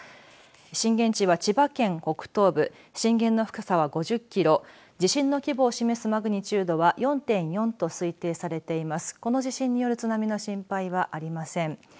震源地は千葉県北東部震源の深さは５０キロ地震の規模を示すマグニチュードは４．４と推定されています。